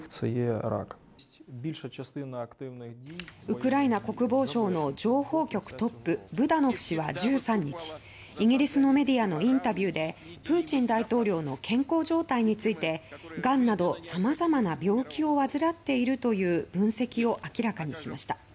ウクライナ国防省の情報局トップブダノフ氏は１３日、イギリスのメディアのインタビューでプーチン大統領の健康状態についてがんなど、さまざまな病気を患っているという分析を明らかにしました。